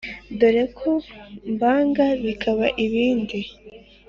dore ko byanga bikaba ibindi